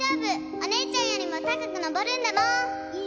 お姉ちゃんよりも高く登るんだもん！